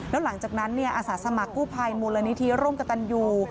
แล้วหลังจากนั้นอาสาสมัครกู้ภัยมูลนิธิร่วมกับตันยู